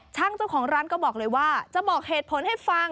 ช่างเจ้าของร้านด้วยบอกว่าจะบอกเหตุผลให้ฟัง